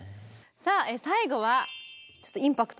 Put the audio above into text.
さあ最後はちょっとインパクトありますよ。